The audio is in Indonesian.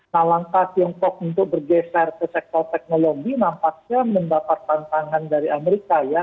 nah langkah tiongkok untuk bergeser ke sektor teknologi nampaknya mendapat tantangan dari amerika ya